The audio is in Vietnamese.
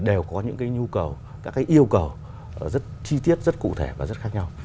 và các khách hàng đến đây đều có những yêu cầu chi tiết rất cụ thể và rất khác nhau